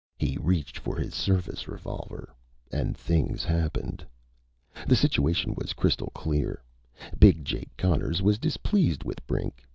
He reached for his service revolver. And things happened. The situation was crystal clear. Big Jake Connors was displeased with Brink.